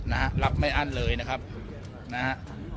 นะฮะรับไม่อั้นเลยนะครับนะฮะ